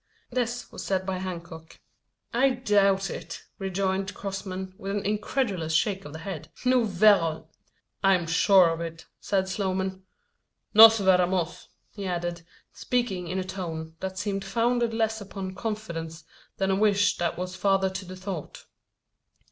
This was said by Hancock. "I doubt it," rejoined Crossman, with an incredulous shake of the head. "Nous verrons!" "I'm sure of it," said Sloman. "Nos veremos!" he added, speaking in a tone that seemed founded less upon confidence than a wish that was father to the thought.